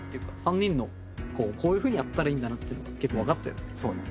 ３人のこういうふうにやったらいいんだなというのが結構分かったよね？